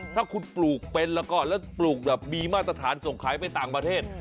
ถ้าคุณปลูกเป็นแล้วก็แล้วปลูกแบบมีมาตรฐานส่งขายไปต่างประเทศ